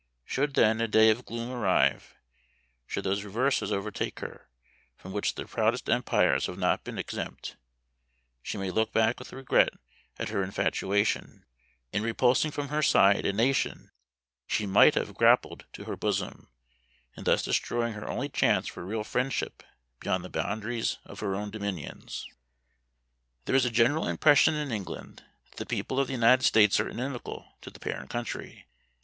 Should, then, a day of gloom arrive should those reverses overtake her, from which the proudest empires have not been exempt she may look back with regret at her infatuation, in repulsing from her side a nation she might have grappled to her bosom, and thus destroying her only chance for real friendship beyond the boundaries of her own dominions. There is a general impression in England, that the people of the United States are inimical to the parent country.